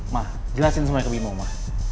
ma jelasin semuanya ke bimo ma